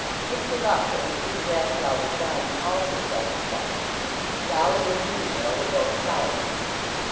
Mr. Lupton, with whom Grasslough was dining, also sat expectant. Dolly and Nidderdale were both silent.